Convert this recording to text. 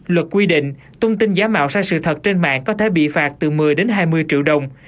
luật quy định tung tin giả mạo sai sự thật trên mạng có thể bị phạt từ một mươi đến hai mươi triệu đồng